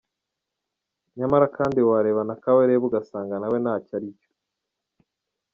!” Nyamara kandi wareba na Kabarebe ugasanga nawe ntacyo ari cyo.